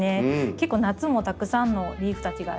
結構夏もたくさんのリーフたちがありまして。